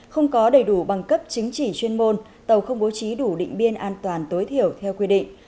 không có đầy đủ bằng cấp chứng chỉ chuyên môn tàu không bố trí đủ định biên an toàn tối thiểu theo quy định